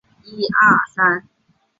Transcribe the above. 当我走在田间的时候